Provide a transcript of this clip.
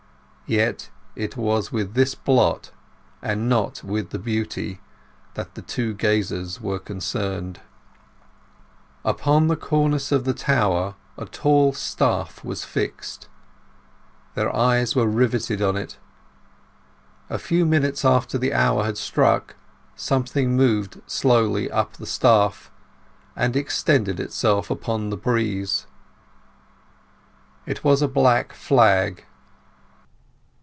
Yet it was with this blot, and not with the beauty, that the two gazers were concerned. Upon the cornice of the tower a tall staff was fixed. Their eyes were riveted on it. A few minutes after the hour had struck something moved slowly up the staff, and extended itself upon the breeze. It was a black flag.